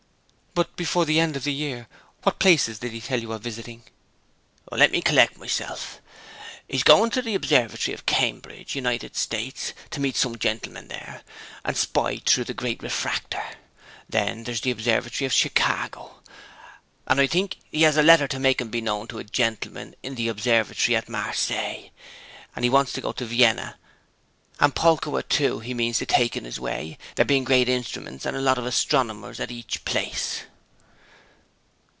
'But before the end of the year what places did he tell you of visiting?' 'Let me collect myself; he is going to the observatory of Cambridge, United States, to meet some gentlemen there, and spy through the great refractor. Then there's the observatory of Chicago; and I think he has a letter to make him beknown to a gentleman in the observatory at Marseilles and he wants to go to Vienna and Poulkowa, too, he means to take in his way there being great instruments and a lot of astronomers at each place.'